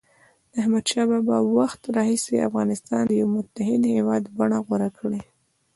د احمدشاه بابا د وخت راهيسي افغانستان د یوه متحد هېواد بڼه غوره کړه.